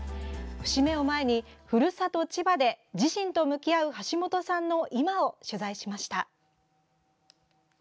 節目を前に、ふるさと千葉で自身と向き合う橋本さんの「今」を取材しました。